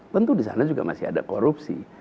tentu di sana juga masih ada korupsi